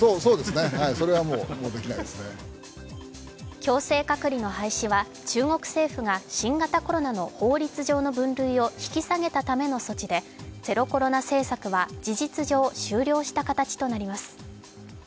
強制隔離の廃止は中国政府が新型コロナの法律上の分類を引き下げたための措置でゼロコロナ政策は事実上、終了した形となります。